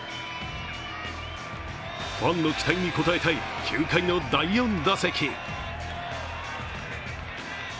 ファンの期待に応えたい９回の第４打席。